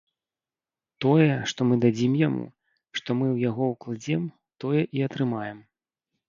Тое, што мы дадзім яму, што мы ў яго ўкладзем, тое і атрымаем.